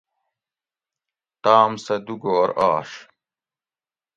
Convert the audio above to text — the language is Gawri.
تام سہ دُو گھور آش